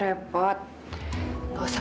iya ibu pengen main